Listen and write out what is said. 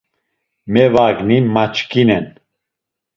Mevagni maçkinen.